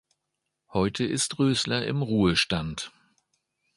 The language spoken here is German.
Heute ist Rösler im Ruhestand.